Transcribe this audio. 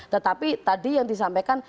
tetapi tadi yang disampaikan